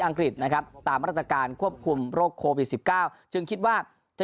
อังกฤษนะครับตามรัฐกาลควบคุมโรคโควิดสิบเก้าจึงคิดว่าจะ